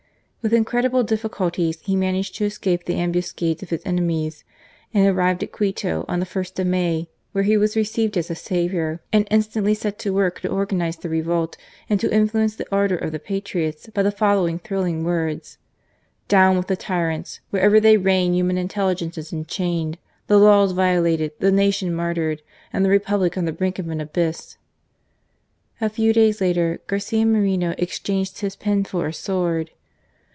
With incredible difficulties he managed to escape the ambuscades of his enemies and arrived at Quito on the ist of May, where he was received as a saviour, and instantly set to work to organize the revolt and to influence the ardour of the patriots by the following thrilling words :" Down with the tyrants ! Wherever they reign human intelligence is enchained, the laws violated, the nation martyred, and the Republic on the brink of an abyss." A few days later Garcia Moreno exchanged his pen for a sword.